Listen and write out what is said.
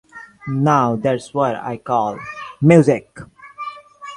Now That's What I Call Music!